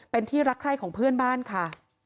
เป็นที่รักใคร่ของเพื่อนบ้านค่ะ